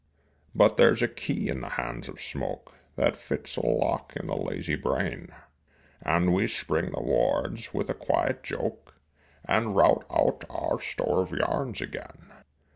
But there's a key in the hands of smoke That fits a lock in the lazy brain, And we spring the wards with a quiet joke And rout out a store of yarns again.